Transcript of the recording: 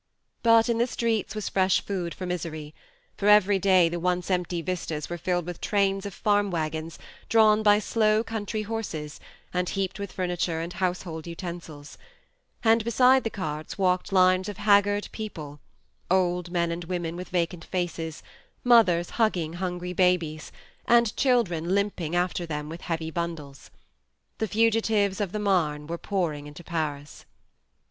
But in the streets was fresh food for misery ; for every day the once empty vistas were filled with trains of farm waggons, drawn by slow country horses, and heaped with furniture and house hold utensils ; and beside the carts walked lines of haggard people, old men and women with vacant faces, mothers hugging hungry babies, and children limping after them with heavy bundles. The fugitives of the Marne were pouring into Paris.